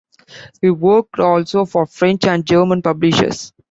He worked also for French and German publishers.